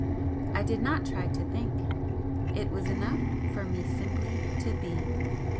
I did not try to think, it was enough for me simply to BE.